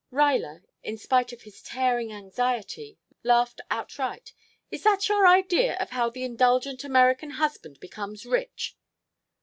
Ruyler, in spite of his tearing anxiety, laughed outright. "Is that your idea of how the indulgent American husband becomes rich?"